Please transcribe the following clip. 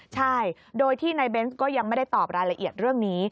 ใช่โดยที่นายเบนส์ก็ยังไม่ได้ตอบรายละเอียดเรื่องนี้